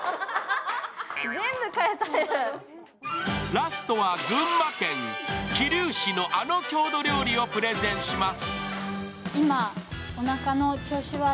ラストは群馬県、桐生市のあの郷土料理をプレゼンします。